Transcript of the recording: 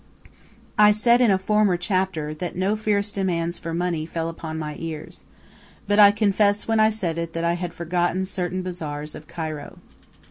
I said, in a former chapter, that no fierce demands for money fell upon my ears. But I confess, when I said it, that I had forgotten certain bazaars of Cairo.